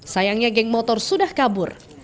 sayangnya geng motor sudah kabur